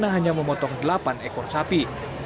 hanya memotong delapan ekor sapi